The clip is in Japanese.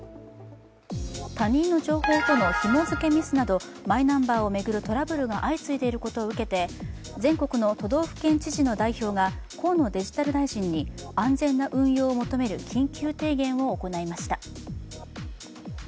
他人の情報とのひも付けミスなどマイナンバーを巡るトラブルが相次いでいることを受けて全国の都道府県知事の代表が河野デジタル大臣に安全な運用を求める緊急提言を行いました。